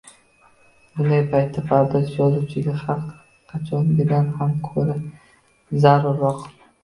Bunday paytda bardosh yozuvchiga har qachongidan ham koʻra zarurroq